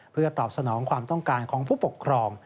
เพื่อตอบสนองความต้องการของผู้ปกครอง